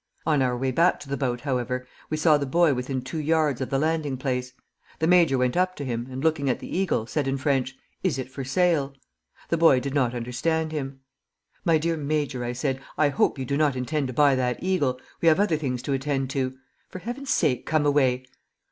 On our way back to the boat, however, we saw the boy within two yards of the landing place. The major went up to him, and looking at the eagle, said in French, 'Is it for sale?' The boy did not understand him. 'My dear Major,' I said, 'I hope you do not intend to buy that eagle. We have other things to attend to. For Heaven's sake, come away!'